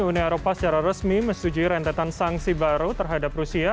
uni eropa secara resmi mensetujui rentetan sanksi baru terhadap rusia